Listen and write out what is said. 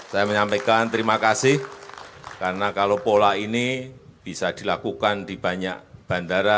saya menyampaikan terima kasih karena kalau pola ini bisa dilakukan di banyak bandara